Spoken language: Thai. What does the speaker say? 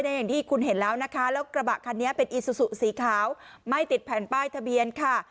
อย่างที่คุณเห็นแล้วนะคะแล้วกระบะคันนี้เป็นอีซูซูสีขาวไม่ติดแผ่นป้ายทะเบียนค่ะ